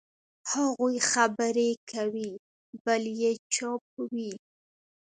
هغوی خبرې کوي، بل یې چوپ وي.